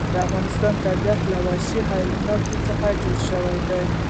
د افغانستان طبیعت له وحشي حیواناتو څخه جوړ شوی دی.